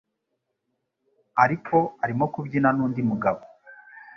Ariko arimo kubyina nundi mugabo